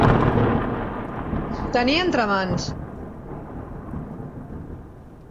Tenir entre mans.